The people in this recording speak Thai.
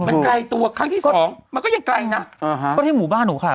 มันไกลตัวครั้งที่สองมันก็ยังไกลนะก็ที่หมู่บ้านหนูค่ะ